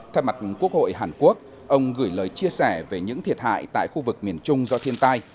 theo mặt quốc hội hàn quốc ông gửi lời chia sẻ về những thiệt hại tại khu vực miền trung do thiên tai